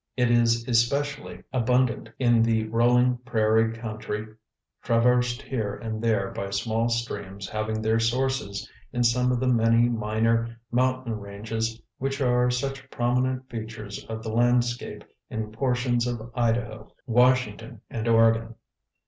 It is especially abundant in the rolling prairie country traversed here and there by small streams having their sources in some of the many minor mountain ranges which are such prominent features of the landscape in portions of Idaho, Washington and Oregon.